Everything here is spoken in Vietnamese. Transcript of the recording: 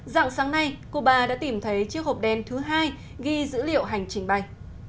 dạng sáng nay cuba đã tìm thấy chiếc hộp đen thứ hai ghi dữ liệu hành trình bay